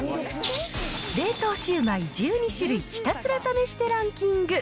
冷凍シュウマイ１２種類ひたすら試してランキング。